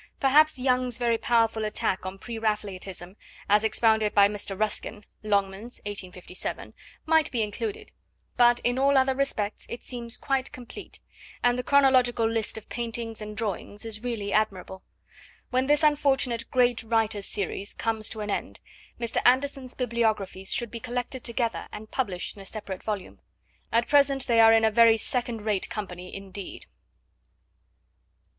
Perhaps Young's very powerful attack on Pre Raphaelitism, as expounded by Mr. Ruskin (Longmans, 1857), might be included, but, in all other respects, it seems quite complete, and the chronological list of paintings and drawings is really admirable. When this unfortunate 'Great Writers' Series comes to an end, Mr. Anderson's bibliographies should be collected together and published in a separate volume. At present they are in a very second rate company indeed.